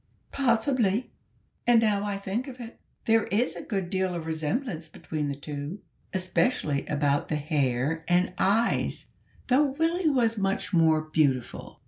"Possibly; and, now I think of it, there is a good deal of resemblance between the two, especially about the hair and eyes, though Willie was much more beautiful.